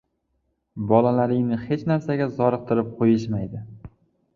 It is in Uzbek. Bolalaringni hech narsaga zoriqtirib qo‘yishmaydi